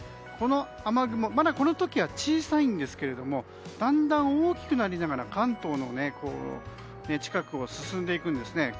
この雨雲まだ、この時は小さいんですけどだんだん大きくなりながら関東の近くを進んでいくんですね。